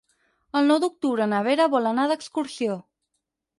El nou d'octubre na Vera vol anar d'excursió.